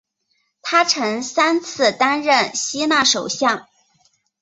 他曾三次担任希腊首相。